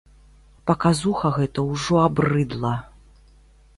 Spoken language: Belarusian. Паказуха гэта ўжо абрыдла.